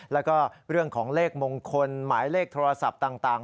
แล้วก็เรื่องของเลขมงคลหมายเลขโทรศัพท์ต่าง